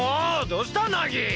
どうした？